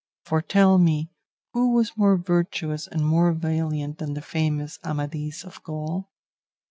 For tell me, who was more virtuous and more valiant than the famous Amadis of Gaul?